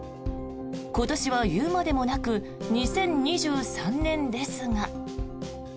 今年は言うまでもなく２０２３年ですが。